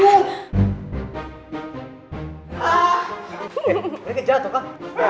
eh kayaknya jatuh kan